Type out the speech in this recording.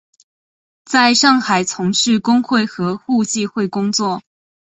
在上海从事工会和互济会工作。